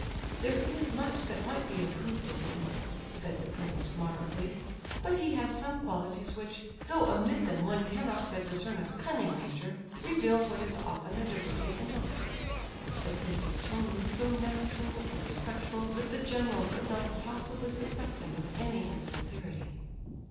"There is much that might be improved in him," said the prince, moderately, "but he has some qualities which—though amid them one cannot but discern a cunning nature—reveal what is often a diverting intellect." The prince's tone was so natural and respectful that the general could not possibly suspect him of any insincerity.